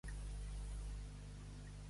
Al cel torres? Si penses sortir, no corris.